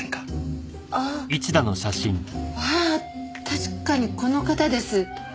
確かにこの方です。